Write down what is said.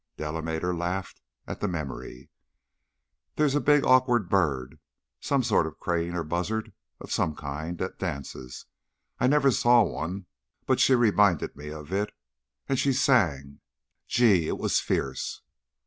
Delamater laughed at the memory. "There's a big, awkward bird sort of a crane or buzzard of some kind that dances. I never saw one, but she reminded me of it. And she sang! Gee! it was fierce!"